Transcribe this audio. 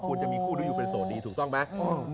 จะมีคู่ที่อยู่เป็นโสดดีถูกต้องไหม